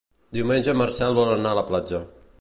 Diumenge en Marcel vol anar a la platja.